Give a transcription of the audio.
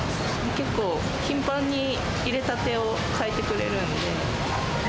結構、頻繁にいれたてをかえてくれるんで。